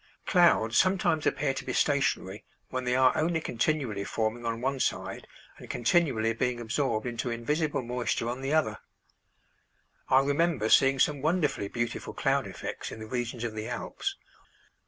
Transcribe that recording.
Clouds sometimes appear to be stationary when they are only continually forming on one side and continually being absorbed into invisible moisture on the other. I remember seeing some wonderfully beautiful cloud effects in the regions of the Alps.